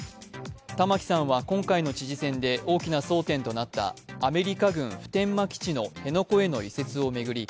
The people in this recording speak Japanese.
玉城さんは今回の知事選で大きな争点となったアメリカ軍普天間基地の辺野古への移設を巡り、